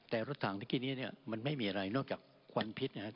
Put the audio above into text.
แต่รถถังเมื่อกี้นี้เนี่ยมันไม่มีอะไรนอกจากควันพิษนะครับ